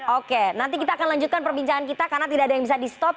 oke nanti kita akan lanjutkan perbincangan kita karena tidak ada yang bisa di stop